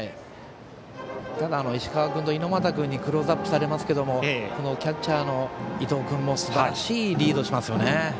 ただ、石川君と猪俣君にクローズアップされますがキャッチャーの伊藤君もすばらしいリードをしますね。